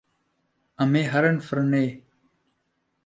Em ê herin firnê.